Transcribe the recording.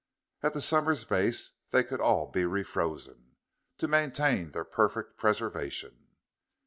At the Somers base they could all be re frozen, to maintain their perfect preservation.